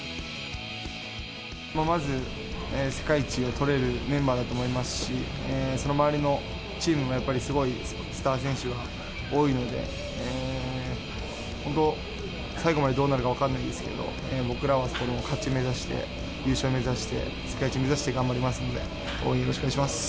まず、世界一を取れるメンバーだと思いますし、その周りのチームも、やっぱりすごいスター選手が多いので、本当、最後までどうなるか分かんないですけど、僕らは勝ち目指して、優勝目指して、世界一目指して頑張りますので、応援よろしくお願いします。